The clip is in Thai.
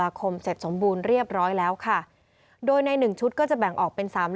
คมเสร็จสมบูรณ์เรียบร้อยแล้วค่ะโดยในหนึ่งชุดก็จะแบ่งออกเป็นสาม